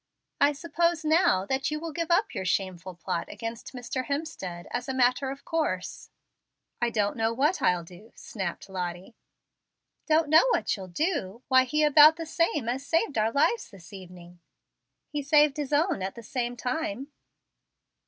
"I suppose now that you will give up your shameful plot against Mr. Hemstead, as a matter of course." "I don't know what I'll do," snapped Lottie. "Don't know what you'll do! Why, he about the same as saved our lives this evening." "He saved his own at the same time."